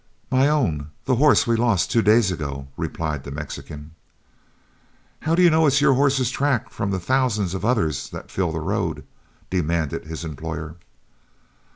"'My own; the horse we lost two days ago,' replied the Mexican. "'How do you know it's your horse's track from the thousands of others that fill the road?' demanded his employer.